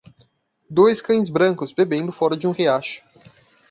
dois cães brancos bebendo fora de um riacho